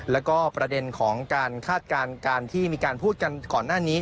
แล้วก็ประเด็นของการคาดการณ์การที่มีการพูดกันก่อนหน้านี้